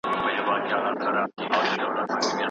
د تاریخ مطالعه انسان ته هویت ورکوي.